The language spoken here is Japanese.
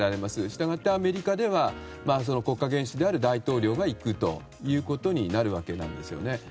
したがって、アメリカでは国家元首である大統領が行くということになるわけなんですね。